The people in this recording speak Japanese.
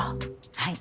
はい。